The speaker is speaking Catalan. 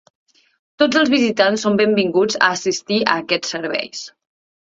Tots els visitants són benvinguts a assistir a aquests serveis.